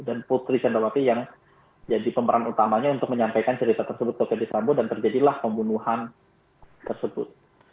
dan putri sandrawati yang jadi pemeran utamanya untuk menyampaikan cerita tersebut ke pedisambu dan terjadilah pembunuhan tersebut